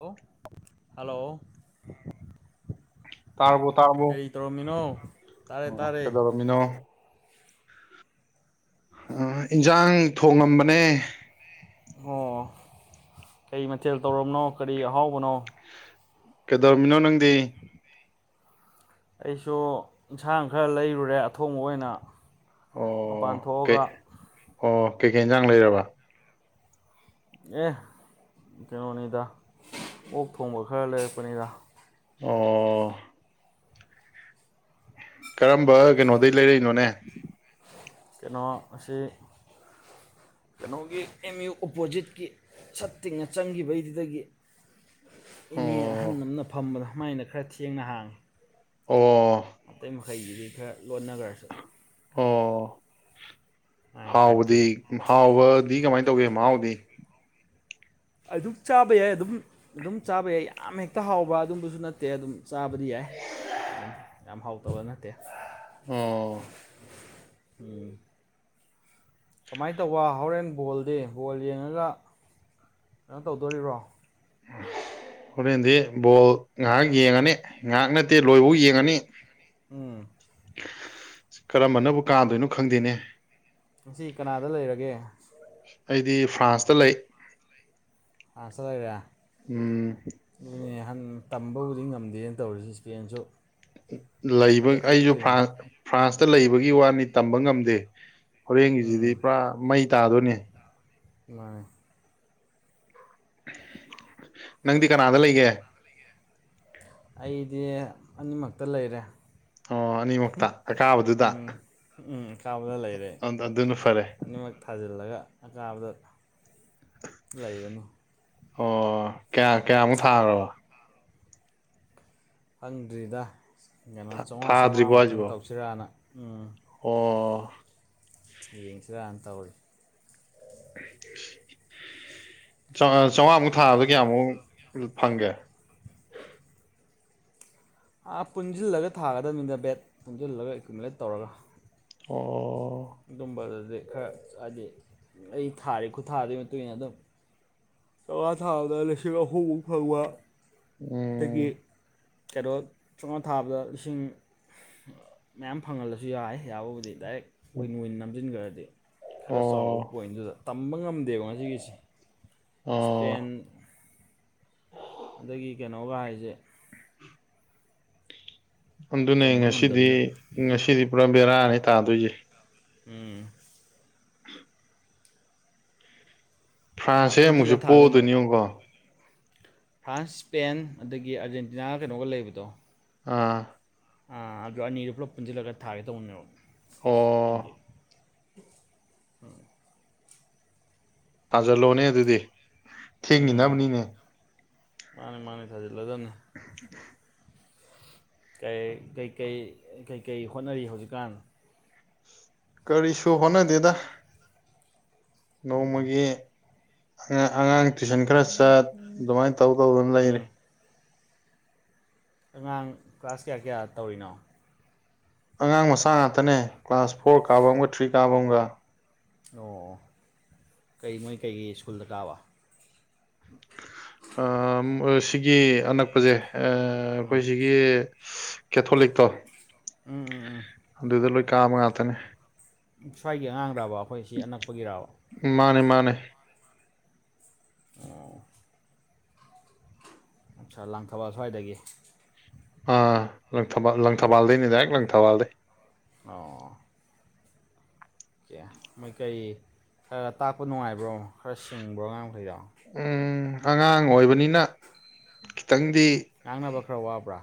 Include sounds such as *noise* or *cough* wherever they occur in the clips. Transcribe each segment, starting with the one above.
ꯑꯣ ꯍꯂꯣ ꯇꯥꯔꯕꯣ ꯇꯥꯔꯕꯣ ꯀꯔꯤ ꯇꯧꯔꯝꯃꯤꯅꯣ ꯇꯥꯔꯦ ꯑꯣ ꯇꯥꯔꯦ ꯀꯩꯗꯧꯔꯝꯃꯤꯅꯣ ꯑ ꯏꯟꯖꯥꯡ ꯊꯣꯡꯉꯝꯕꯅꯦ ꯑꯣ ꯀꯩ ꯃꯊꯦꯜ ꯇꯧꯔꯕꯅꯣ ꯀꯔꯤ ꯑꯍꯥꯎꯕꯅꯣ ꯀꯩꯗꯧꯔꯝꯃꯤꯅꯣ ꯅꯪꯗꯤ ꯑꯩꯁꯨ ꯌꯦꯟꯁꯥꯡ ꯈꯔ ꯂꯩꯔꯨꯔꯦ ꯑꯊꯣꯡꯕ ꯑꯣꯏꯅ ꯃꯄꯥꯟ ꯑꯣ ꯀꯩ ꯊꯣꯛꯑꯒ ꯑꯣ ꯀꯩꯀꯩ ꯌꯦꯟꯖꯥꯡ ꯂꯩꯔꯕ ꯑꯦ ꯀꯩꯅꯣꯅꯤꯗ ꯑꯣꯛ ꯊꯣꯡꯕ ꯈꯔ ꯂꯩꯔꯛꯄꯅꯤꯗ ꯑꯣ ꯀꯔꯝꯕ ꯀꯩꯅꯣꯗꯒꯤ ꯂꯩꯔꯛꯏꯅꯣꯅꯦ ꯀꯩꯅꯣ ꯑꯁꯤ ꯀꯩꯅꯣꯒꯤ ꯑꯦꯝ ꯌꯨ ꯑꯣꯄꯣꯖꯤꯠꯀꯤ ꯁꯠ ꯇꯤꯡꯅ ꯆꯪꯈꯤꯕꯩꯗꯨꯗꯒꯤ ꯑꯣ ꯏꯅꯦ ꯑꯍꯜ ꯑꯃꯅ ꯐꯝꯕꯗꯣ ꯃꯥꯏꯅ ꯈꯔ ꯊꯦꯡꯅ ꯍꯥꯡꯏ ꯑꯣ ꯑꯇꯩ ꯃꯈꯩꯒꯤꯗꯤ ꯈꯔ ꯂꯣꯟꯅꯈ꯭ꯔꯁꯨ ꯑꯣ ꯃꯥꯏꯅ ꯈꯔ ꯍꯥꯎꯕꯗꯤ ꯊꯦꯡꯉꯤ ꯍꯥꯎꯕꯗꯤ ꯀꯃꯥꯏꯅ ꯇꯧꯒꯦ ꯃꯍꯥꯎꯗꯤ ꯑꯗꯨꯝ ꯆꯥꯕ ꯌꯥꯏ ꯑꯗꯨꯝ ꯑꯗꯨꯝ ꯆꯥꯕ ꯌꯥꯏ ꯌꯥꯝ ꯍꯦꯛꯇ ꯍꯥꯎꯕ ꯑꯗꯨꯝꯕꯁꯨ ꯅꯠꯇꯦ ꯑꯗꯨꯝ ꯆꯥꯕꯗꯤ ꯌꯥꯏ ꯑꯗꯨꯝ ꯌꯥꯝ ꯍꯥꯎꯇꯕ ꯅꯠꯇꯦ ꯑꯣ ꯎꯝ ꯀꯃꯥꯏ ꯇꯧꯕ ꯍꯣꯔꯦꯟ ꯕꯣꯜꯗꯤ ꯕꯣꯜ ꯌꯦꯡꯉꯒ ꯀꯩꯅꯣ ꯇꯧꯗꯣꯔꯤꯔꯣ ꯍꯣꯔꯦꯟꯗꯤ ꯕꯣꯜ ꯉꯥꯏꯍꯥꯛ ꯌꯦꯡꯉꯅꯤ ꯉꯥꯏꯍꯥꯛ ꯅꯠꯇꯦ ꯂꯣꯏꯕꯧ ꯌꯦꯡꯉꯅꯤ ꯎꯝ ꯀꯔꯝꯕꯅꯕꯨ ꯀꯥꯗꯣꯏꯅꯣ ꯈꯪꯗꯦꯅꯦ ꯉꯁꯤ ꯀꯅꯥꯗ ꯂꯩꯔꯒꯦ ꯑꯩꯗꯤ ꯐ꯭ꯔꯥꯟꯁꯇ ꯂꯩ ꯐ꯭ꯔꯥꯟꯁꯇ ꯂꯩꯔꯦ ꯎꯝ ꯑꯗꯨꯅꯦ ꯅꯍꯥꯟ ꯇꯝꯕꯕꯨꯗꯤ ꯉꯝꯗꯦꯅꯦ ꯇꯧꯔꯤꯁꯤ ꯏꯁꯄꯦꯟꯁꯨ ꯂꯩꯕ ꯑꯩꯁꯨ ꯐꯖꯈꯠꯂꯛꯇꯣꯏꯅꯤ ꯐ꯭ꯔꯥꯟꯁ ꯐ꯭ꯔꯥꯟꯁꯇ ꯂꯩꯕꯒꯤ ꯋꯥꯅꯤ ꯇꯝꯕ ꯉꯝꯗꯦ ꯎꯝ ꯍꯣꯔꯦꯟꯒꯤꯁꯤꯗꯤ ꯄꯨꯔꯥ ꯃꯩ ꯇꯥꯗꯣꯏꯅꯦ ꯃꯥꯅꯤ ꯅꯪꯗꯤ ꯀꯅꯥꯗ ꯂꯩꯒꯦ ꯑꯩꯗꯤ ꯑꯅꯤꯃꯛꯇ ꯂꯩꯔꯦ ꯑꯣ ꯑꯅꯤꯃꯛꯇ ꯑꯀꯥꯕꯗꯨꯗ ꯎꯝ ꯎꯝ ꯑꯀꯥꯕꯗ ꯂꯩꯔꯦ ꯑꯗꯨꯅ ꯐꯔꯦ ꯑꯅꯤꯃꯛ ꯊꯥꯖꯤꯜꯂꯒ ꯑꯀꯥꯕꯗ ꯂꯩꯔꯅꯤ ꯑꯣ ꯀꯌꯥ ꯀꯌꯥꯃꯨꯛ ꯊꯥꯈ꯭ꯔꯕ ꯈꯪꯗ꯭ꯔꯤꯗ ꯀꯩꯅꯣ ꯆꯥꯝꯃꯉꯥ ꯊꯥꯗ꯭ꯔꯤꯕꯣ ꯆꯥꯝꯃꯉꯥꯃꯨꯛꯇꯪ ꯍꯥꯏꯁꯤꯕꯣ ꯇꯧꯁꯤꯔꯅ ꯎꯝ ꯑꯣ ꯌꯦꯡꯁꯤꯔꯅ ꯇꯧꯔꯤ ꯆꯥꯝꯃꯉꯥꯃꯨꯛ ꯊꯥꯕꯗ ꯀꯌꯥꯃꯨꯛ ꯐꯪꯒꯦ ꯑ ꯄꯨꯟꯁꯤꯜꯂꯒ ꯊꯥꯒꯗꯕꯅꯤꯗ ꯕꯦꯠ ꯄꯨꯟꯁꯤꯜꯂꯒ ꯑꯦꯀꯨꯃꯨꯂꯦꯠ ꯇꯧꯔꯒ ꯑꯣ ꯑꯗꯨꯝꯕꯗꯗꯤ ꯈꯔ ꯍꯥꯏꯗꯤ ꯑꯩ ꯊꯥꯔꯤ ꯈꯨꯠ ꯊꯥꯗꯨꯒꯤ ꯃꯇꯨꯡ ꯏꯟꯅ ꯑꯗꯨꯝ ꯆꯧꯉꯥ ꯊꯥꯕꯗ ꯂꯩꯁꯤꯡ ꯑꯍꯨꯝꯃꯨꯛ ꯐꯪꯕ ꯎꯝ ꯑꯗꯒꯤ ꯀꯩꯅꯣ ꯆꯥꯝꯃꯉꯥ ꯊꯥꯕꯗ ꯂꯤꯁꯤꯡ ꯃꯌꯥꯝ ꯐꯪꯍꯜꯂꯁꯨ ꯌꯥꯏ ꯌꯥꯕꯕꯨꯗꯤ ꯗꯥꯏꯔꯦꯛ ꯀꯨꯏꯟ ꯀꯨꯏꯟ ꯅꯝꯁꯤꯟꯈ꯭ꯔꯗꯤ ꯈꯔ ꯆꯥꯎꯕ ꯑꯣ ꯄꯣꯏꯟꯗꯨꯗ ꯇꯝꯕ ꯉꯝꯗꯦꯕ ꯉꯁꯤꯒꯤꯁꯦ ꯏꯁꯄꯦꯟ ꯑꯣ ꯑꯗꯒꯤ ꯀꯩꯅꯣꯒ ꯍꯥꯏꯁꯦ ꯑꯗꯨꯅꯦ ꯇꯝꯕ ꯉꯁꯤꯗꯤ ꯉꯝꯗꯕꯅꯤꯅ ꯉꯁꯤꯗꯤ ꯄꯨꯔꯥ ꯕꯦꯔꯥꯅꯦ ꯇꯥꯗꯣꯏꯁꯦ ꯎꯝ ꯑꯥ ꯐ꯭ꯔꯥꯟꯁꯁꯦ ꯄꯨꯟꯁꯤꯜꯂ ꯑꯃꯨꯛꯁꯨ ꯊꯥꯗꯣꯏꯅꯦꯕ ꯄꯣꯗꯣꯏꯅꯤ ꯌꯦꯡꯉꯨꯀꯣ ꯐ꯭ꯔꯥꯟꯁ ꯁ꯭ꯄꯦꯟ ꯑꯗꯒꯤ ꯑꯥꯔꯖꯦꯟꯇꯤꯅꯥꯒ ꯀꯩꯅꯣꯒ ꯂꯩꯕꯗꯣ ꯑꯥ ꯑꯗꯨ ꯑꯅꯤꯗꯨ ꯄꯨꯂꯞ ꯄꯨꯟꯁꯤꯜꯂꯒ ꯊꯥꯒꯦ ꯇꯧꯕꯟꯅꯕ ꯑꯣ ꯍꯥꯏꯗꯤ ꯎꯝ ꯊꯥꯖꯜꯂꯣꯅꯦ ꯑꯗꯨꯗꯤ ꯎꯝ ꯊꯦꯡꯈꯤꯅꯕꯅꯤꯅꯦ ꯃꯥꯅꯤ ꯃꯥꯅꯤ ꯊꯥꯖꯤꯜꯂꯗꯅꯤ *unintelligible* ꯀꯩ ꯀꯩꯀꯩ ꯍꯣꯠꯅꯔꯤ ꯍꯧꯖꯤꯛꯀꯥꯟ ꯀꯔꯤꯁꯨ ꯍꯣꯠꯅꯗꯦꯗ ꯅꯣꯡꯃꯒꯤ ꯑꯉꯥꯡ ꯇꯨꯏꯁꯟ ꯈꯔ ꯆꯠ ꯑꯗꯨꯃꯥꯏꯅ ꯇꯧ ꯇꯧꯗꯅ ꯂꯩꯔꯤ ꯎꯝ ꯑꯉꯥꯡ ꯀ꯭ꯂꯥꯁ ꯀꯌꯥ ꯀꯌꯥ ꯇꯧꯔꯤꯅꯣ ꯑꯉꯥꯡ ꯃꯆꯥ ꯉꯥꯛꯇꯅꯦ ꯀ꯭ꯂꯥꯁ ꯐꯣꯔ ꯀꯥꯕ ꯑꯃꯒ ꯊ꯭ꯔꯤ ꯀꯥꯕ ꯑꯃꯒ ꯑꯣ ꯀꯩ ꯃꯣꯏ ꯀꯩ ꯀꯩ ꯁ꯭ꯀꯨꯜꯗ ꯇꯥꯕ ꯁꯤꯒꯤ ꯑꯅꯛꯄꯁꯦ ꯎꯝ ꯑꯩꯈꯣꯏꯁꯤꯒꯤ ꯀꯦꯊꯣꯂꯤꯛꯇꯣ ꯎꯝ ꯎꯝ ꯎꯝ ꯑꯗꯨꯗ ꯂꯣꯏ ꯀꯥꯕ ꯉꯥꯛꯇꯅꯦ ꯁ꯭ꯋꯥꯏꯒꯤ ꯑꯉꯥꯡꯗꯕ ꯑꯩꯈꯣꯏꯁꯤ ꯑꯅꯛꯄꯒꯤꯔ ꯃꯥꯅꯦ ꯃꯥꯅꯦ ꯑꯣ ꯑ ꯁꯥꯥ ꯂꯥꯡꯊꯕꯥꯜ ꯁ꯭ꯋꯥꯏꯗꯒꯤ ꯑꯥ ꯂꯪꯊꯕꯥꯜ ꯎꯝ ꯂꯪꯊꯕꯥꯜꯗꯩꯅꯤ ꯗꯥꯏꯔꯦꯛ ꯂꯪꯊꯕꯥꯜꯗꯩ ꯑꯣ ꯑꯣꯀꯦ ꯃꯩꯀꯔꯤ ꯈꯔ ꯇꯥꯛꯄ ꯅꯨꯡꯉꯥꯏꯕ꯭ꯔꯣ ꯈꯔ ꯁꯤꯡꯕ꯭ꯔꯣ ꯉꯥꯡ ꯃꯈꯩꯗ ꯎꯝ ꯑꯉꯥꯡ ꯑꯣꯏꯕꯅꯤꯅ ꯈꯤꯇꯪꯗꯤ ꯉꯥꯡꯅꯕ ꯈꯔ ꯋꯥꯕ꯭ꯔꯥ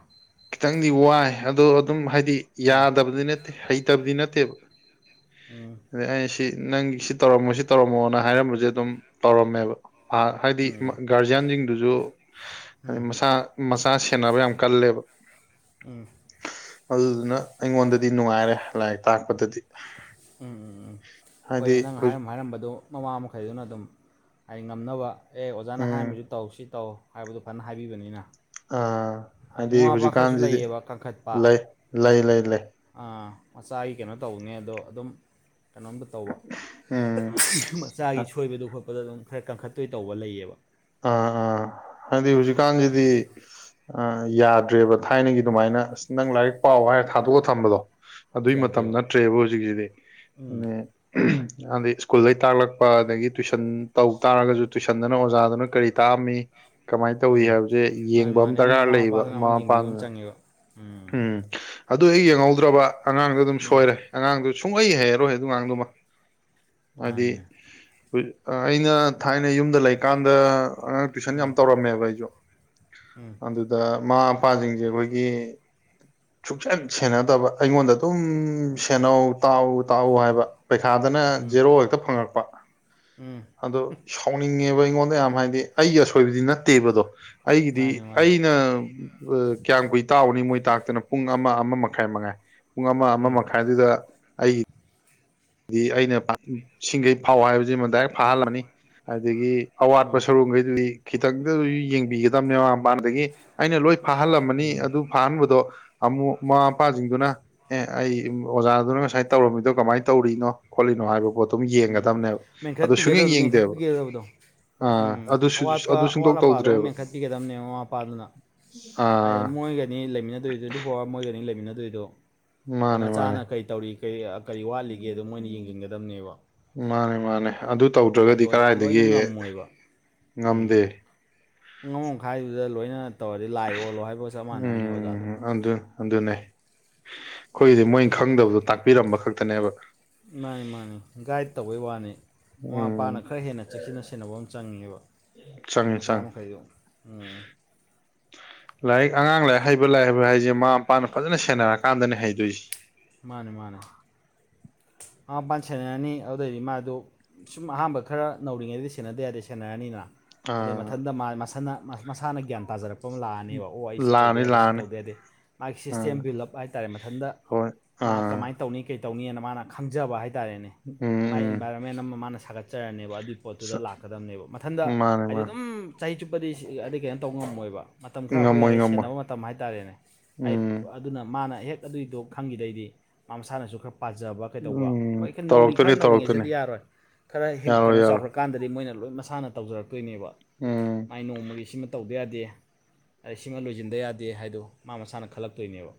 ꯈꯤꯇꯪꯗꯤ ꯋꯥꯏ ꯑꯗꯣ ꯑꯗꯨꯝ ꯍꯥꯏꯗꯤ ꯎꯝ ꯌꯥꯗꯕꯗꯤ ꯅꯠꯇꯦ ꯍꯩꯇꯕꯗꯤ ꯅꯠꯇꯦꯕ ꯑ ꯑꯗꯩ ꯑꯩ ꯁꯤ ꯅꯪ ꯁꯤ ꯇꯧꯔꯝꯃꯣ ꯁꯤ ꯇꯧꯔꯝꯃꯣꯅ ꯍꯥꯏꯔꯝꯕꯁꯦ ꯑꯗꯨꯝ ꯇꯧꯔꯝꯃꯦꯕ ꯑ ꯍꯥꯏꯗꯤ ꯎꯝ ꯒꯥꯔꯖꯤꯌꯥꯟꯁꯤꯡꯗꯨꯁꯨ ꯎꯝ ꯎꯝ ꯍꯥꯏꯩ ꯃꯁꯥ ꯃꯆꯥ ꯁꯦꯟꯅꯕ ꯌꯥꯝ ꯀꯜꯂꯦꯕ ꯑꯝ ꯑꯗꯨꯗꯨꯅ ꯑꯩꯉꯣꯟꯗꯗꯤ ꯅꯨꯡꯉꯥꯏꯔꯦ ꯂꯥꯏꯔꯤꯛ ꯇꯥꯛꯄꯗꯗꯤ ꯎꯝ ꯎꯝ ꯎꯝ ꯍꯣꯏ ꯍꯥꯏꯗꯤ ꯅꯪ ꯍꯥꯏꯔꯝ ꯍꯥꯏꯔꯝꯕꯗꯨ ꯃꯃꯥ ꯃꯈꯩꯗꯨꯅ ꯑꯗꯨꯝ ꯍꯥꯏꯗꯤ ꯉꯝꯅꯕ ꯑꯦ ꯑꯣꯖꯥꯅ ꯎꯝ ꯍꯥꯏꯔꯝꯃꯤꯁꯨ ꯇꯧ ꯁꯤ ꯇꯧ ꯍꯥꯏꯕꯗꯨ ꯐꯖꯅ ꯍꯥꯏꯕꯤꯕꯅꯤꯅ ꯑꯥ ꯍꯥꯏꯗꯤ ꯃꯃꯥ ꯃꯄꯥ ꯈꯔꯁꯨ ꯍꯧꯖꯤꯛꯀꯥꯟꯁꯤꯗꯤ ꯂꯩꯌꯦꯕ ꯀꯟꯈꯠꯄ ꯂꯩ ꯂꯩ ꯂꯩ ꯂꯩ ꯃꯆꯥꯒꯤ ꯀꯩꯅꯣ ꯇꯧꯕꯅꯦ ꯑꯗꯣ ꯑꯗꯨꯝ ꯀꯩꯅꯣꯝꯇ ꯇꯧꯕ ꯎꯝ ꯃꯆꯥꯒꯤ ꯁꯣꯏꯕꯗ ꯈꯣꯠꯄꯗ ꯑꯗꯨꯝ ꯈꯔ ꯀꯟꯈꯠꯇꯣꯏ ꯇꯧꯕ ꯂꯩꯌꯦꯕ ꯑꯥ ꯑꯥ ꯍꯥꯏꯗꯤ ꯍꯧꯖꯤꯛꯀꯥꯟꯁꯤꯗꯤ ꯑ ꯌꯥꯗ꯭ꯔꯦꯕ ꯊꯥꯏꯅꯒꯤ ꯑꯗꯨꯃꯥꯏꯅ ꯑꯁ ꯅꯪ ꯂꯥꯏꯔꯤꯛ ꯄꯥꯎ ꯍꯥꯏꯔ ꯊꯥꯗꯣꯛꯑ ꯊꯝꯕꯗꯣ ꯑꯗꯨꯏ ꯃꯇꯝ ꯌꯥꯗꯦꯕ ꯅꯠꯇ꯭ꯔꯦꯕ ꯍꯧꯖꯤꯛꯁꯤꯗꯤ ꯎꯝ ꯑ ꯑꯗꯩ ꯁ꯭ꯀꯨꯜꯗꯩ ꯇꯥꯛꯂꯛꯄ ꯑꯗꯒꯤ ꯇꯨꯏꯁꯟ ꯇꯧ ꯇꯥꯔꯒꯁꯨ ꯇꯨꯏꯁꯟꯗꯅ ꯑꯣꯖꯥꯗꯨꯅ ꯩ ꯇꯥꯑꯝꯃꯤ ꯀꯃꯥꯏꯅ ꯇꯧꯋ ꯎꯝ ꯍꯥꯏꯕꯁꯦ ꯃꯥꯅꯦ ꯌꯦꯡꯕ ꯑꯃ ꯃꯥꯅꯦ ꯑꯃꯨꯛ ꯗꯔꯀꯥꯔ ꯃꯃꯥ ꯂꯩꯌꯦꯕ ꯃꯄꯥꯗꯅ ꯑꯃꯨꯛ ꯃꯃꯥ ꯃꯄꯥꯗꯨꯅ *unintelligible* ꯎꯝ ꯑꯗꯨ ꯍ ꯌꯦꯡꯍꯧꯗ꯭ꯔꯕ ꯑꯉꯥꯡꯗ ꯑꯗꯨꯝ ꯎꯝ ꯁꯣꯏꯔꯦ ꯑꯉꯥꯡꯗꯣ ꯁꯨꯡꯂꯏ ꯍꯥꯏꯩꯔꯔꯣꯏ ꯑꯗꯨ ꯑꯉꯥꯡꯗꯨꯃ ꯍꯥꯏꯗꯤ ꯃꯥꯅꯦ ꯑꯩꯅ ꯊꯥꯏꯅ ꯌꯨꯝꯗ ꯂꯩꯀꯥꯟꯗ ꯇꯨꯏꯁꯟ ꯌꯥꯝ ꯎꯝ ꯇꯧꯔꯝꯃꯦꯕ ꯑꯩꯁꯨ ꯎꯝ ꯑꯗꯨꯗ ꯃꯃꯥ ꯃꯄꯥꯁꯤꯡꯁꯦ ꯑꯩꯈꯣꯏꯒꯤ ꯁꯨꯡꯛꯆꯟ ꯁꯦꯟꯅꯗꯕ ꯑꯩꯉꯣꯟꯗ ꯑꯗꯨꯝ ꯁꯦꯅꯧ ꯇꯥꯎ ꯇꯥꯎꯎ ꯍꯥꯏꯕ ꯄꯩꯈꯥꯗꯅ ꯎꯝ ꯖꯦꯔꯣ ꯍꯦꯛꯇ ꯐꯪꯉꯛꯄ ꯎꯝ ꯑꯗꯣ ꯁꯥꯎꯅꯤꯡꯉꯦꯕ ꯑꯩꯉꯣꯟꯗ ꯌꯥꯝ ꯍꯥꯏꯗꯤ ꯑꯩꯒꯤ ꯑꯁꯣꯏꯕꯗꯤ ꯅꯠꯇꯦꯕꯗꯣ ꯑꯩꯒꯤꯗꯤ ꯃꯥꯅꯦ ꯃꯥꯅꯦ ꯑꯩꯅ ꯀꯌꯥꯝ ꯀꯨꯏ ꯇꯥꯛꯎꯅꯤ ꯃꯣꯏ ꯇꯥꯛꯇꯅ ꯄꯨꯡ ꯑꯃ ꯑꯃ ꯃꯈꯥꯏ ꯃꯉꯥꯏ ꯄꯨꯡ ꯑꯃ ꯑꯃ ꯎꯝ ꯃꯈꯥꯏꯗꯨꯗ ꯑꯩꯒꯤ ꯑꯩꯅ ꯁꯤꯡꯒꯩ ꯐꯥꯎ ꯍꯥꯏꯕꯁꯤꯃ ꯗꯥꯏꯔꯦꯛ ꯐꯥꯍꯜꯂꯅꯤ ꯑꯗꯒꯤ ꯑꯋꯥꯠꯄ ꯎꯝ ꯁꯔꯨꯛꯈꯩꯗꯨꯗꯤ ꯈꯤꯇꯪꯗ ꯑꯣꯏꯖꯨ ꯌꯦꯡꯕꯤꯒꯗꯕꯅꯦ ꯃꯃꯥ ꯃꯄꯥꯅꯗꯒꯤ ꯑꯩꯅ ꯂꯣꯏ ꯐꯥꯍꯜꯂꯝꯃꯅꯤ ꯎꯝ ꯑꯗꯨ ꯐꯥꯍꯟꯕꯗꯣ ꯑꯃꯨꯛ ꯃꯃꯥ ꯃꯄꯥꯁꯤꯡꯗꯨꯅ ꯑꯦ ꯑꯩ ꯑꯣꯖꯥꯗꯨꯅ ꯉꯁꯥꯏ ꯇꯧꯔꯝꯃꯤꯗꯣ ꯀꯃꯥꯏꯅ ꯇꯧ ꯇꯧꯔꯤꯅꯣ ꯈꯣꯠꯂꯤꯅꯣ ꯍꯥꯏꯕ ꯄꯣꯠꯇꯣ ꯎꯝ ꯃꯦꯟꯈꯠꯄꯤꯒꯗꯗꯣ ꯌꯦꯡꯗꯦꯕ ꯃꯦꯟꯈꯠꯄꯤꯒꯗꯕꯗꯣ ꯑꯥ ꯎꯝ ꯑꯗꯨ ꯑꯋꯥꯠꯄ ꯑꯗꯨ ꯁꯨꯡꯇꯧ ꯑꯋꯥꯠ ꯑꯄꯥꯗ ꯑꯃꯨꯛ ꯇꯧꯗ꯭ꯔꯦꯕ ꯃꯦꯟꯈꯠꯄꯤꯒꯗꯕꯅꯦ ꯃꯃꯥ ꯃꯄꯥꯗꯨꯅ ꯑꯥ ꯍꯥꯏꯗꯤ ꯃꯣꯏꯒꯅꯤ ꯂꯩꯃꯤꯟꯅꯗꯣꯏ ꯇ꯭ꯋꯦꯟꯇꯤ ꯐꯣꯔ ꯑꯋꯥꯔ ꯃꯣꯏꯒꯅꯤ ꯂꯩꯃꯤꯟꯅꯗꯣꯏꯗꯣ ꯑ ꯃꯥꯅꯦ ꯃꯥꯅꯦ ꯃꯆꯥꯅ ꯀꯩ ꯇꯧꯔꯤ ꯀꯔꯤ ꯀꯔꯤ ꯋꯥꯠꯂꯤꯒꯦꯗꯣ ꯃꯣꯏꯅ ꯌꯦꯡꯁꯤꯟꯒꯗꯕꯅꯦꯕ ꯃꯥꯅꯦ ꯃꯥꯅꯦ ꯑꯗꯨ ꯍꯥꯏꯗꯤ ꯇꯧꯗ꯭ꯔꯒꯗꯤ ꯑꯣꯖꯥꯅ ꯂꯣꯏꯅ ꯀꯗꯥꯥꯏꯗꯒꯤ ꯉꯝꯃꯣꯏꯕ ꯉꯝꯗꯦ ꯑꯉꯣꯈꯥꯏꯗꯨꯗ ꯂꯣꯏꯅ ꯇꯧꯔꯗꯤ ꯂꯥꯏ ꯑꯣꯜꯂꯣ ꯍꯥꯏꯕ ꯎꯝ ꯑꯗꯨꯗ ꯑꯗꯨꯅꯦ ꯑꯩꯈꯣꯏꯗꯤ ꯃꯣꯏꯅ ꯈꯪꯗꯕꯗꯣ ꯇꯥꯛꯄꯤꯔꯝꯕ ꯈꯛꯇꯅꯦꯕ ꯃꯥꯅꯦ ꯃꯥꯅꯦ ꯒꯥꯏꯗ ꯇꯧꯕꯩ ꯋꯥꯅꯤ ꯃꯃꯥ ꯎꯝ ꯃꯄꯥꯅ ꯈꯔ ꯍꯦꯟꯅ ꯆꯦꯛꯁꯤꯟꯅ ꯁꯦꯟꯅꯕ ꯑꯃ ꯆꯪꯉꯦꯕ ꯆꯪꯉꯦ ꯃꯆꯥ ꯆꯪꯉꯦ ꯃꯈꯩꯗꯣ ꯎꯝ ꯂꯥꯏꯔꯤꯛ ꯑꯉꯥꯡ ꯂꯥꯏꯔꯤꯛ ꯍꯩꯕ ꯂꯥꯏꯔꯤꯛ ꯍꯩꯕ ꯍꯥꯏꯁꯦ ꯃꯃꯥ ꯃꯄꯥꯅ ꯐꯖꯅ ꯁꯦꯟꯅꯔꯀꯥꯟꯗꯅꯦ ꯍꯩꯗꯣꯏꯁꯦ ꯃꯥꯅꯦ ꯃꯥꯅꯦ ꯃꯃꯥ ꯃꯄꯥꯅ ꯁꯦꯅꯔꯅꯤ ꯑꯗꯨꯗꯩꯗꯤ ꯃꯥꯗꯨ ꯁꯨꯝ ꯑꯍꯥꯟꯕ ꯈꯔ ꯅꯧꯔꯤꯉꯩꯗꯤ ꯁꯦꯟꯅꯗ ꯌꯥꯗꯦ ꯁꯦꯟꯅꯔꯅꯤꯅ ꯑꯗꯩꯩ ꯑꯥ ꯃꯊꯟꯇ ꯃꯁꯥ ꯃꯁꯥꯅ ꯒ꯭ꯌꯥꯟ ꯇꯥꯖꯔꯛꯄ ꯑꯣ ꯑꯃ ꯂꯥꯛꯑꯅꯦꯕ ꯑꯣ ꯑꯩ ꯁꯤ ꯇꯧꯗ ꯂꯥꯅꯤ ꯌꯥꯗꯦ ꯁꯤ ꯂꯥꯅꯤ ꯇꯧꯗ ꯌꯥꯗꯦ ꯃꯥꯒꯤ ꯑꯥ ꯁꯤꯁꯇꯦꯝ ꯕꯤꯜ ꯑꯞ ꯍꯥꯏꯇꯥꯔꯦ ꯃꯊꯟꯇ ꯍꯣꯏ ꯃꯥ ꯑꯥ ꯀꯃꯥꯏꯅ ꯇꯧꯅꯤ ꯀꯩꯇꯧꯅꯤꯅ ꯃꯥꯅ ꯈꯪꯖꯕ ꯍꯥꯏ ꯇꯥꯔꯦꯅꯦ ꯎꯝ ꯃꯥꯒꯤ ꯎꯝ ꯏꯟꯚꯥꯏꯔꯣꯟꯃꯦꯟꯠ ꯑꯃ ꯃꯥꯅ ꯁꯥꯒꯠꯆꯕ ꯆꯠꯆꯔꯅꯦꯕ ꯑꯗꯨꯏ ꯁ ꯄꯣꯠꯇꯨꯗ ꯂꯥꯛꯀꯗꯝꯕꯅꯦꯕ ꯃꯊꯟꯇ ꯃꯥꯅꯦ ꯍꯥꯏꯗꯤ ꯃꯥꯅꯦ ꯑꯗꯨꯝ ꯆꯍꯤ ꯆꯨꯞꯄꯗꯤ ꯑꯗꯩꯩ ꯀꯩꯅꯣ ꯇꯧꯕ ꯉꯝꯃꯣꯏꯕ ꯃꯇꯝ ꯈꯔ ꯑꯩꯈꯣꯏ ꯉꯝꯃꯣꯏ ꯉꯩꯗ ꯉꯝꯃꯣꯏ ꯁꯦꯟꯅꯕ ꯃꯇꯝ ꯍꯥꯏꯇꯥꯔꯦꯅꯦ ꯑꯩ ꯎꯝ ꯑꯗꯨꯅ ꯃꯥꯅ ꯍꯦꯛ ꯑꯗꯨꯏꯗꯣ ꯈꯪꯈꯤꯗꯩꯗꯤ ꯃꯥ ꯃꯁꯥꯅꯁꯨ ꯈꯔ ꯄꯥꯖꯕ ꯀꯩꯗꯧꯕ ꯎꯝ ꯍꯣꯏ ꯈꯔ ꯅꯧꯔꯤ ꯈꯔ ꯇꯧꯔꯛꯇꯣꯏꯅꯤ ꯇꯧꯔꯛꯇꯣꯏꯅꯤ ꯅꯧꯔꯤꯉꯩꯗꯗꯤ ꯌꯥꯔꯣꯏ ꯈꯔ ꯌꯥꯔꯣꯏ ꯀꯩꯅꯣ ꯌꯥꯔꯣꯏ ꯆꯥꯎꯈ꯭ꯔ ꯀꯥꯟꯗꯗꯤ ꯃꯣꯏꯅ ꯂꯣꯏ ꯃꯁꯥꯅ ꯇꯧꯖꯔꯛꯇꯣꯏꯅꯦꯕ ꯎꯝ ꯃꯥꯏ ꯅꯣꯡꯃꯒꯤ ꯁꯤꯃ ꯇꯧꯗ ꯌꯥꯗꯦ ꯁꯤꯃ ꯂꯣꯏꯁꯤꯟꯗꯕ ꯌꯥꯗꯦ ꯍꯥꯏꯗꯣ ꯃꯥ ꯃꯁꯥꯅ ꯈꯜꯂꯛꯇꯣꯏꯅꯦꯕ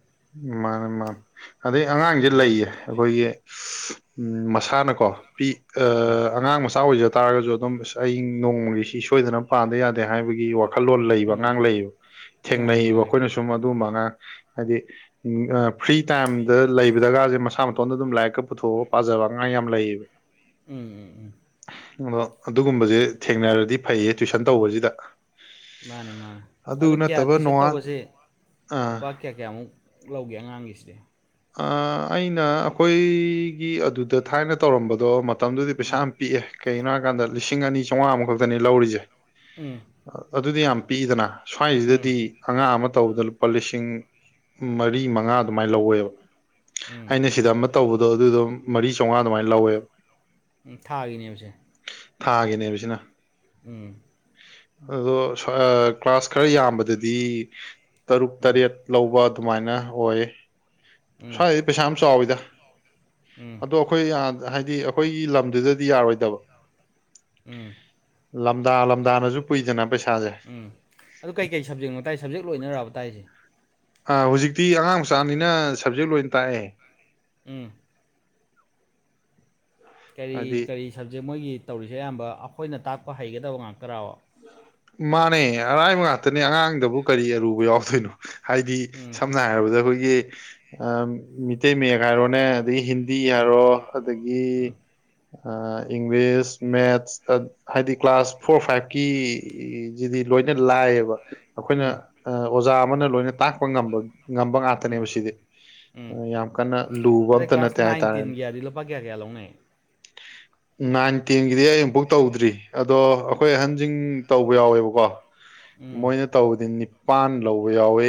ꯃꯥꯅꯤ ꯃꯥꯅꯤ ꯑꯗꯩ ꯑꯉꯥꯡꯁꯦ ꯎꯝ ꯂꯩꯌꯦ ꯑꯩꯈꯣꯏꯒꯤ ꯎꯝ ꯃꯁꯥꯅꯀꯣ ꯄꯤ ꯎꯝ ꯑꯉꯥꯡ ꯃꯆꯥ ꯑꯣꯏꯖ ꯇꯥꯔꯒꯁꯨ ꯑꯗꯨꯝ ꯑꯁ ꯑꯩ ꯁꯤ ꯅꯣꯡꯃꯒꯤ ꯁꯤ ꯁꯣꯏꯗꯅ ꯄꯥꯗ ꯌꯥꯗꯦ ꯗꯦ ꯍꯥꯏꯕꯒꯤ ꯋꯥꯈꯜꯂꯣꯟ ꯂꯩꯕ ꯎꯝ ꯑꯉꯥꯡ ꯎꯝ ꯂꯩꯌꯦꯕ ꯃꯥꯅꯦ ꯊꯦꯡꯅꯩꯌꯦꯕ ꯃꯥꯅꯦ ꯑꯩꯈꯣꯏꯅ ꯁꯨꯝ ꯑꯗꯨꯒꯨꯝꯕ ꯑꯉꯥꯡ ꯍꯥꯏꯗꯤ ꯐ꯭ꯔꯤ ꯇꯥꯏꯝꯗ ꯂꯩꯕꯗꯒꯁꯦ ꯃꯁꯥ ꯃꯥꯇꯣꯟꯗ ꯑꯗꯨꯝ ꯂꯥꯏꯔꯤꯛꯀ ꯄꯨꯊꯣꯛꯑꯒ ꯄꯥꯖꯕ ꯑꯉꯥꯡ ꯌꯥꯝ ꯂꯩꯌꯦꯕ ꯎꯝ ꯎꯝ ꯎꯝ ꯑꯗꯣ ꯑꯗꯨꯒꯨꯝꯕꯁꯦ ꯊꯦꯡꯅꯔꯗꯤ ꯐꯩꯌꯦ ꯇꯨꯋꯏꯁꯟ ꯇꯧꯕꯁꯤꯗ ꯃꯥꯅꯦ ꯃꯥꯅꯤ ꯑꯗꯨ ꯀꯌꯥ ꯅꯠꯇꯕ ꯇꯨꯏꯁꯟ ꯅꯣꯡꯉꯥꯟ ꯇꯧꯕꯁꯦ ꯑ ꯂꯨꯄꯥ ꯀꯌꯥ ꯀꯌꯥꯃꯨꯛ ꯂꯧꯒꯦ ꯑꯉꯥꯡꯒꯤꯁꯤꯗꯤ ꯑꯩꯅ ꯑꯩꯈꯣꯏꯒꯤ ꯑꯗꯨꯗ ꯊꯥꯏꯅ ꯇꯧꯔꯝꯕꯗꯣ ꯃꯇꯝꯗꯨꯗꯤ ꯎꯝ ꯄꯩꯁꯥ ꯄꯤꯛꯑꯦ ꯀꯩꯒꯤꯅꯣ ꯍꯥꯏꯕꯀꯥꯟꯗ ꯂꯤꯁꯤꯡ ꯑꯅꯤ ꯆꯥꯝꯃꯉꯥ ꯃꯨꯛꯈꯛꯇꯅꯤ ꯂꯧꯔꯤꯁꯦ ꯎꯝ ꯑꯗꯨꯗꯤ ꯌꯥꯝ ꯄꯤꯛꯏꯗꯅ ꯎꯝ ꯁ꯭ꯋꯥꯏꯁꯤꯗꯗꯤ ꯑꯉꯥꯡ ꯑꯃ ꯇꯧꯕꯗ ꯂꯨꯄꯥ ꯂꯤꯁꯤꯡ ꯃꯔꯤ ꯃꯉꯥ ꯑꯗꯨꯃꯥꯏꯅ ꯂꯧꯋꯦꯕ ꯎꯝ ꯑꯩꯅ ꯁꯤꯗ ꯑꯃ ꯇꯧꯕꯗꯣ ꯑꯗꯨꯗꯣ ꯃꯔꯤ ꯆꯥꯝꯃꯉꯥ ꯑꯗꯨꯃꯥꯏꯅ ꯂꯧꯋꯦꯕ ꯎꯝ ꯊꯥꯒꯤꯅꯦꯕꯁꯦ ꯊꯥꯒꯤꯅꯦꯕꯁꯤꯅ ꯎꯝ ꯑꯗꯣ ꯀ꯭ꯂꯥꯁ ꯈꯔ ꯌꯥꯝꯕꯗꯗꯤ ꯇꯔꯨꯛ ꯎꯝ ꯇꯔꯦꯠ ꯂꯧꯕ ꯑꯗꯨꯃꯥꯏꯅ ꯑꯣꯏ ꯎꯝ ꯁ꯭ꯋꯥꯏꯗꯤ ꯄꯩꯁꯥ ꯌꯥꯝ ꯆꯥꯎꯋꯤꯗ ꯎꯝ ꯑꯗꯣ ꯑꯩꯈꯣꯏ ꯍꯥꯏꯗꯤ ꯑꯩꯈꯣꯏꯒꯤ ꯂꯝꯗꯨꯗꯗꯤ ꯌꯥꯔꯣꯏꯗꯕ ꯎꯝ ꯂꯝꯗꯥ ꯂꯝꯗꯥꯅꯁꯨ ꯄꯨꯏꯗꯅ ꯄꯩꯁꯥꯁꯦ ꯎꯝ ꯑꯗꯨ ꯀꯩ ꯀꯩ ꯁꯞꯖꯦꯛꯅꯣ ꯇꯥꯛꯏ ꯁꯞꯖꯦꯛ ꯂꯣꯏꯅꯔꯕ ꯇꯥꯛꯏꯁꯦ ꯑ ꯍꯧꯖꯤꯛꯇꯤ ꯑꯉꯥꯡ ꯃꯆꯥꯅꯤꯅ ꯁꯞꯖꯦꯛ ꯂꯣꯏꯅ ꯇꯥꯛꯑꯦ ꯎꯝ ꯀꯔꯤ ꯍꯥꯏꯗꯤ ꯀꯔꯤ ꯁꯕꯖꯦꯛ ꯃꯣꯏꯒꯤ ꯇꯧꯔꯤꯁꯦ ꯑꯌꯥꯝꯕ ꯑꯩꯈꯣꯏꯅ ꯇꯥꯛꯄ ꯍꯩꯒꯗꯕ ꯉꯥꯛꯇ꯭ꯔꯥꯕ ꯃꯥꯅꯦ ꯑꯔꯥꯏꯕ ꯉꯥꯛꯇꯅꯦ ꯑꯉꯥꯡꯗꯕꯨ ꯀꯔꯤ ꯑꯔꯨꯕ ꯌꯥꯎꯗꯣꯏꯅꯣ ꯍꯥꯏꯗꯤ ꯎꯝ ꯁꯝꯅ ꯍꯥꯏꯔꯕꯗ ꯑꯩꯈꯣꯏꯒꯤ ꯃꯤꯇꯩ ꯃꯌꯦꯛ ꯍꯥꯏꯔꯣꯅꯦ ꯑꯗꯒꯤ ꯍꯤꯟꯗꯤ ꯎꯝ ꯍꯥꯏꯔꯣ ꯑꯗꯒꯤ ꯏꯪꯂꯤꯁ ꯃꯦꯠꯁ ꯍꯥꯏꯗꯤ ꯀ꯭ꯂꯥꯁ ꯐꯣꯔ ꯐꯥꯏꯚ ꯀꯤ ꯁꯤꯗꯤ ꯂꯣꯏꯅ ꯂꯥꯏꯌꯦꯕ ꯑꯩꯈꯣꯏꯅ ꯎꯝ ꯎꯝ ꯑꯣꯖꯥ ꯑꯃꯅ ꯂꯣꯏꯅ ꯇꯥꯛꯄ ꯉꯝꯕ ꯉꯝꯕ ꯎꯝ ꯉꯥꯛꯇꯅꯦꯕ ꯁꯤꯗꯤ ꯎꯝ ꯌꯥꯝ ꯀꯟꯅ ꯂꯨꯕ ꯑꯝꯇ ꯅꯠꯇꯦ ꯍꯥꯏꯇꯥꯔꯦꯅꯦ ꯀ꯭ꯌꯥꯀ꯭ꯌꯥ ꯂꯧꯅꯩ ꯅꯥꯏꯟ ꯇꯦꯟꯒꯤꯗꯤ ꯑꯩ ꯑꯃꯨꯕꯨꯛ ꯇꯧꯗ꯭ꯔꯤ ꯑꯗꯣ ꯑꯩꯈꯣꯏ ꯑꯍꯟꯁꯤꯡ ꯇꯧꯕ ꯌꯥꯎꯋꯦꯕꯀꯣ ꯎꯝ ꯃꯣꯏꯅ ꯇꯧꯕꯗꯤ ꯅꯤꯄꯥꯟ ꯂꯧꯕ ꯌꯥꯎꯋꯦ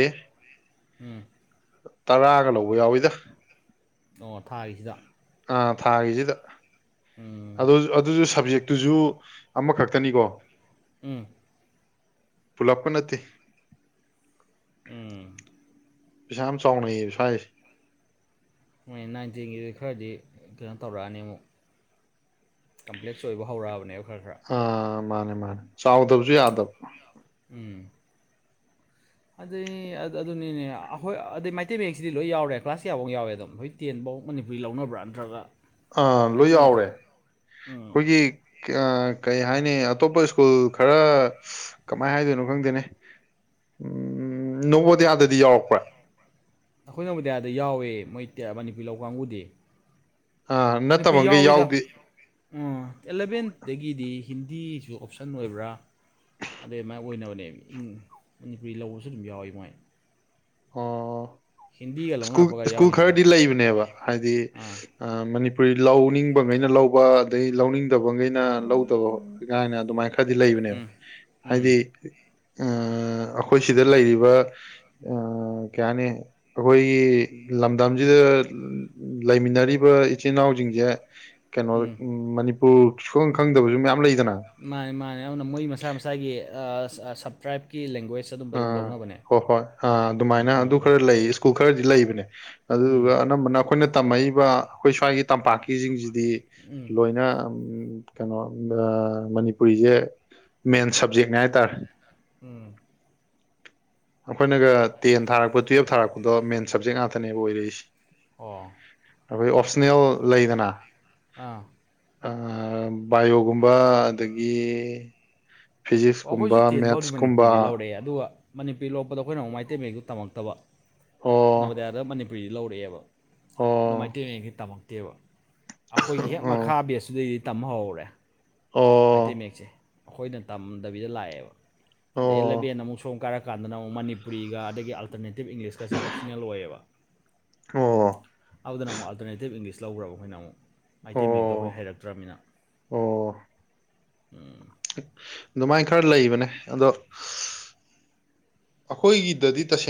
ꯎꯝ ꯇꯔꯥꯒ ꯂꯧꯕ ꯌꯥꯎꯋꯤꯗ ꯑꯣ ꯊꯥꯒꯤꯁꯤꯗ ꯑꯥ ꯊꯥꯒꯤꯁꯤꯗ ꯎꯝ ꯑꯗꯨ ꯑꯗꯨꯁꯨ ꯁꯕꯖꯦꯛꯇꯨꯖꯨ ꯑꯃꯈꯛꯇꯅꯤꯀꯣ ꯎꯝ ꯄꯨꯂꯞꯀ ꯅꯠꯇꯦ ꯎꯝ ꯄꯩꯁꯥ ꯌꯥꯝ ꯆꯥꯎꯅꯩꯌꯦ ꯁ꯭ꯋꯥꯏꯁꯦ ꯍꯣꯏ ꯅꯥꯏꯟ ꯇꯦꯟꯒꯤꯗ ꯈꯔꯗꯤ ꯀꯩꯅꯣ ꯇꯧꯔꯛꯑꯅꯤ ꯑꯃꯨꯛ ꯀꯝꯄ꯭ꯂꯦꯛꯁ ꯑꯣꯏꯕ ꯍꯧꯔꯛꯑꯕꯅꯦꯕ ꯈꯔ ꯈꯔ ꯑ ꯃꯥꯅꯦ ꯃꯥꯅꯦ ꯆꯥꯎꯗꯕꯁꯨ ꯌꯥꯗꯕ ꯎꯝ *inaudible* ꯑꯗꯩ ꯑꯗꯨꯅꯤꯅꯦ ꯑꯩꯈꯣꯏ ꯑꯗꯩ ꯃꯩꯇꯩ ꯃꯌꯦꯛꯁꯤꯗꯤ ꯂꯣꯏ ꯌꯥꯎꯔꯦ ꯀ꯭ꯂꯥꯁ ꯀꯌꯥꯐꯧ ꯌꯥꯎꯋꯦ ꯑꯗꯨꯝ *unintelligible* ꯇꯦꯟꯐꯧ ꯃꯅꯤꯄꯨꯔꯤ ꯂꯧꯅꯕ꯭ꯔꯥ ꯅꯠꯇ꯭ꯔꯒ ꯑꯥ ꯂꯣꯏ ꯃꯩꯇꯩ ꯃꯌꯦꯛꯁꯦ ꯌꯥꯎꯔꯦ ꯎꯝ ꯑꯩꯈꯣꯏꯒꯤ ꯀꯩ ꯍꯥꯏꯅꯤ ꯑꯇꯣꯞꯄ ꯁ꯭ꯀꯨꯜ ꯈꯔ ꯀꯃꯥꯏꯅ ꯍꯥꯏꯗꯣꯏꯅꯣ ꯈꯪꯗꯦꯅꯦ ꯎꯝ ꯅꯣꯕꯣꯌꯥꯗꯗꯤ ꯌꯥꯎꯔꯛꯄ꯭ꯔꯥ ꯑꯩꯈꯣꯏ ꯅꯕꯣꯗꯤꯌꯥꯗ ꯌꯥꯎꯋꯦ ꯃꯣꯏ ꯃꯅꯤꯄꯨꯔꯤ ꯂꯧ ꯀꯥꯡꯕꯨꯗꯤ ꯑꯥ ꯃꯅꯤꯄꯨꯔꯤ ꯅꯠꯇꯕ ꯃꯈꯩ ꯌꯥꯎꯋꯤꯗ ꯑ ꯌꯥꯎꯗꯦ ꯑꯦꯂꯚꯦꯟꯗꯒꯤꯗꯤ ꯍꯤꯟꯗꯤꯁꯨ ꯑꯣꯞꯁꯟ ꯑꯣꯏꯕ꯭ꯔꯥ ꯑꯗꯩ ꯃꯥꯏ ꯑꯣꯏꯅꯕꯅꯦ ꯏꯪ ꯃꯅꯤꯄꯨꯔꯤ ꯂꯧꯕꯁꯨ ꯑꯗꯨꯝ ꯌꯥꯎꯋꯤ ꯃꯣꯏ ꯑꯣ ꯍꯤꯟꯗꯤꯒ ꯁꯀꯨꯜ ꯂꯧꯅꯔꯛꯄꯒ ꯁ꯭ꯀꯨꯜ ꯌꯥꯎꯔꯤꯅꯤ ꯈꯔꯗꯤ ꯂꯩꯕꯅꯦꯕ ꯍꯥꯏꯗꯤ ꯑꯥ ꯑ ꯃꯅꯤꯄꯨꯔꯤ ꯂꯧꯅꯤꯡꯕ ꯉꯩꯅ ꯂꯧꯕ ꯑꯗꯩ ꯂꯧꯅꯤꯡꯗꯕꯒꯩ ꯅ ꯂꯧꯗꯕ ꯀꯥꯏꯅ ꯑꯗꯨꯃꯥꯏꯅ ꯈꯔꯗꯤ ꯂꯩꯕꯅꯦꯕ ꯎꯝ ꯎꯝ ꯍꯥꯏꯗꯤ ꯑ ꯑꯩꯈꯣꯏ ꯁꯤꯗ ꯂꯩꯔꯤꯕ ꯑ ꯀꯩ ꯍꯥꯏꯅꯤ ꯑꯩꯈꯣꯏꯒꯤ ꯂꯝꯗꯝꯁꯤꯗ ꯂꯩꯃꯤꯟꯅꯔꯤꯕ ꯏꯆꯤꯟ ꯏꯅꯥꯎꯁꯤꯡꯁꯦ ꯀꯩꯅꯣ ꯎꯝ ꯎ ꯃꯅꯤꯄꯨꯔ ꯁꯨꯈꯪ ꯈꯪꯗꯕꯁꯨ ꯃꯌꯥꯝ ꯂꯩꯗꯅ ꯃꯥꯅꯦ ꯃꯥꯅꯦ ꯑꯗꯨꯅ ꯃꯣꯏ ꯃꯁꯥ ꯃꯁꯥꯒꯤ ꯑ ꯁꯞꯇ꯭ꯔꯥꯏꯞꯀꯤ ꯂꯦꯡꯒ꯭ꯋꯦꯖ ꯑꯗꯨꯝꯕ ꯑꯗꯨꯝ ꯑꯥ ꯂꯧꯅꯕꯅꯦ ꯍꯣꯏ ꯍꯣꯏ ꯑꯥ ꯎꯝ ꯑꯗꯨꯃꯥꯏꯅ ꯎꯝ ꯑꯗꯨ ꯈꯔ ꯂꯩ ꯁ꯭ꯀꯨꯜ ꯈꯔꯗꯤ ꯂꯩꯕꯅꯦ ꯎꯝ ꯑꯗꯨꯗꯨꯒ ꯑꯅꯝꯕꯅ ꯑꯩꯈꯣꯏꯅ ꯇꯝꯃꯛꯏꯕ ꯑꯩꯈꯣꯏ ꯁ꯭ꯋꯥꯏꯒꯤ ꯇꯝꯄꯥꯛꯀꯤꯁꯤꯡꯁꯤꯗꯤ ꯎꯝ ꯎꯝ ꯂꯣꯏꯅ ꯀꯩꯅꯣ ꯃꯅꯤꯄꯨꯔꯤꯁꯦ ꯃꯦꯟ ꯁꯕ ꯎꯝ ꯑꯩꯈꯣꯏꯅꯒ ꯇꯦꯟ ꯊꯥꯔꯛꯄ ꯇꯨꯌꯦꯜꯞ ꯊꯥꯔꯛꯄꯗꯣ ꯃꯦꯟ ꯁꯞꯖꯦꯛ ꯉꯥꯛꯇꯅꯦꯕ ꯑꯣꯏꯔꯛꯏꯁꯤ ꯑꯣ ꯑꯩꯈꯣꯏ ꯑꯣꯞꯁꯅꯦꯜ ꯂꯩꯗꯅ ꯑꯥ ꯕꯥꯏꯑꯣꯒꯨꯝꯕ ꯑꯗꯒꯤ ꯑꯣ ꯐꯤꯖꯤꯛꯁꯀꯨꯝꯕ ꯑꯩꯈꯣꯏꯁꯨ ꯇꯦꯟ ꯐꯥꯎꯗꯤ ꯃꯦꯠꯁꯀꯨꯝꯕ ꯃꯅꯤꯄꯨꯗꯤ ꯂꯧꯔꯦꯔꯦ ꯑꯗꯨꯒ ꯃꯅꯤꯄꯨꯔꯤ ꯂꯣꯛꯄꯗ ꯑꯩꯈꯣꯏꯅ ꯑꯃꯨꯛ ꯃꯩꯇꯩ ꯃꯌꯦꯛꯗꯨ ꯇꯝꯃꯛꯇꯕ ꯑꯣ ꯅꯗꯤ ꯑꯗ ꯃꯅꯤꯄꯨꯔꯤꯗꯤ ꯂꯧꯔꯛꯑꯦꯕ ꯑꯗꯨꯗꯣ ꯑꯣ ꯃꯩꯇꯩ ꯃꯌꯦꯛꯁ ꯇꯝꯃꯛꯇꯦꯕ ꯑꯩꯈꯣꯏꯒꯤ ꯍꯦꯛ ꯑꯣ ꯃꯈꯥ ꯕꯦꯁꯇꯨꯗꯩꯗꯤ ꯇꯝ ꯍꯧꯍꯧꯔꯦ ꯑꯣ ꯃꯩꯇꯩ ꯃꯌꯦꯛꯁꯦ ꯑꯩꯈꯣꯏꯅ ꯇꯝꯗꯕꯤꯗ ꯂꯥꯛꯑꯦꯕ ꯑꯗꯩ ꯑꯦꯜꯂ ꯑꯣ ꯕꯦꯟ ꯑꯃꯨꯛ ꯁꯣꯝ ꯀꯥꯏꯔꯀꯥꯟꯗ ꯑꯃꯨꯛ ꯃꯅꯤꯄꯨꯔꯤꯒ ꯑꯗꯒꯤ ꯑꯜꯇꯔꯅꯦꯇꯤꯞ ꯏꯪꯂꯤꯁꯀꯁꯤ ꯑꯣꯞꯁꯅꯦꯜ ꯑꯣꯏꯌꯦꯕ ꯑꯣ ꯑꯗꯨꯗꯅ ꯑꯃꯨꯛ ꯑꯜꯇꯔꯅꯦꯇꯤꯞ ꯅꯦꯇꯦꯞ ꯏꯪꯂꯤꯁ ꯂꯧꯈ꯭ꯔꯕ ꯑꯩꯈꯣꯏꯅ ꯑꯃꯨꯛ ꯑꯥꯏꯇꯩ ꯃꯌꯦꯛꯇꯣ ꯑꯩꯈꯣꯏ ꯑꯣ ꯍꯩꯔꯛꯇ꯭ꯔꯝꯅꯤꯅ ꯑꯣ ꯎꯝ ꯑꯗꯨꯃꯥꯏꯅ ꯈꯔ ꯂꯩꯕꯅꯦ ꯑꯗꯣ ꯑꯩꯈꯣꯏꯒꯤꯗꯗꯤ ꯇꯁꯦꯡꯅ